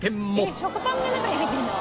えっ食パンが中に入ってるの？